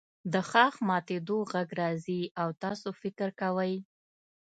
د ښاخ ماتیدو غږ راځي او تاسو فکر کوئ